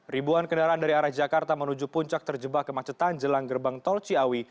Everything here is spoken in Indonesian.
ribuan kendaraan dari arah jakarta menuju puncak terjebak kemacetan jelang gerbang tol ciawi